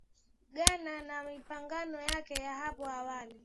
ngana na mipango yake ya hapo awali